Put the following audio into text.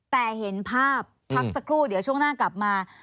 แต่เห็นภาพพักสักครู่เดี๋ยวช่วงหน้ากลับมา